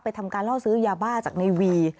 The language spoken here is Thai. ทำการล่อซื้อยาบ้าจากในวี